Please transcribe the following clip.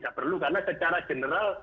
tidak perlu karena secara general